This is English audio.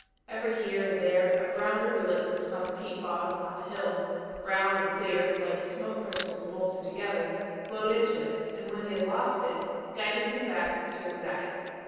Every here and there, a brown rivulet from some peat bog on a hill brown and clear, like smoke crystals molten together, flowed into it, and when he had lost it, guided him back to his guide.